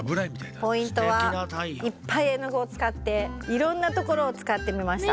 ポイントはいっぱい絵のぐをつかっていろんなところをつかってみました。